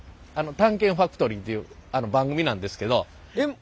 「探検ファクトリー」っていう番組なんですけど。